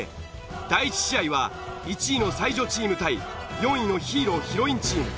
第１試合は１位の才女チーム対４位のヒーローヒロインチーム。